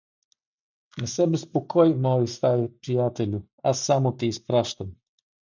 — Не се безпокой, мой стари приятелю, аз само те изпращам.